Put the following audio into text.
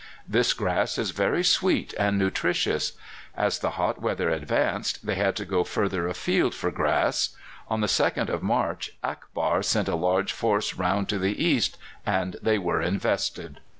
This grass is very sweet and nutritious. As the hot weather advanced they had to go further afield for grass. On the 2nd of March Akbar sent a large force round to the east, and they were invested.